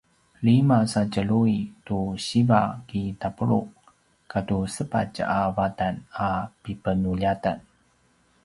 lima sa tjelju’i tu siva kitapulu’ katu sepatj a vatan a pipenuljatan